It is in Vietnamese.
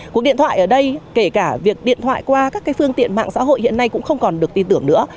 cuộc điện thoại ở đây kể cả việc điện thoại qua các phương tiện mạng xã hội hiện nay cũng không còn được tin tưởng nữa